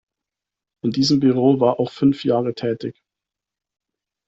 In diesem Büro war auch fünf Jahre tätig.